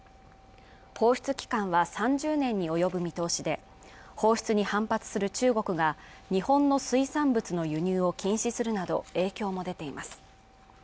放出期間は３０年に及ぶ見通しで放出に反発する中国が日本の水産物の輸入を禁止するなど影響も出ています